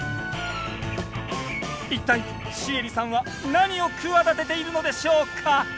一体シエリさんは何を企てているのでしょうか？